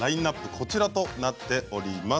こちらとなっております。